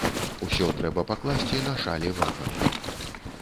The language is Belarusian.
Усё трэба пакласці на шалі вагаў.